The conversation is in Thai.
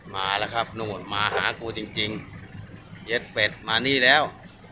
มาแล้วครับนู่นมาหากูจริงจริงเย็ดเป็ดมานี่แล้ว